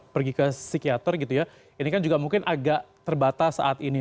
pergi ke psikiater gitu ya ini kan juga mungkin agak terbatas saat ini